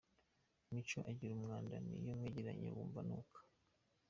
Mico agira umwanda, n’iyo mwegeranye wumva anuka.